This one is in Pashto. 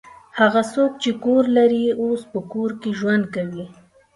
هغه څوک چې کور لري اوس په کور کې ژوند کوي.